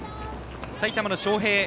埼玉の昌平。